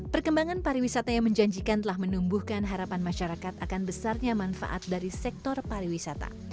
perkembangan pariwisata yang menjanjikan telah menumbuhkan harapan masyarakat akan besarnya manfaat dari sektor pariwisata